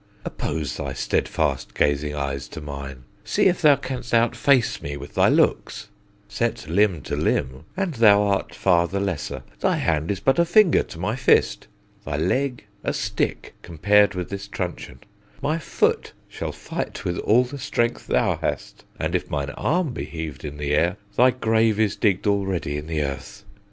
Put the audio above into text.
Oppose thy steadfast gazing eyes to mine, See if thou canst outface me with thy looks: Set limb to limb, and thou art far the lesser; Thy hand is but a finger to my fist; Thy leg a stick, comparéd with this truncheon; My foot shall fight with all the strength thou hast; And if mine arm be heavéd in the air, Thy grave is digged already in the earth.